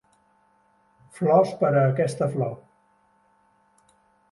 Flors per a aquesta flor